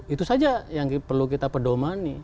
itu saja yang perlu kita pedomani